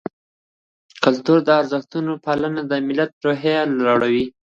د کلتوري ارزښتونو پالنه د ملت روحیه لوړوي.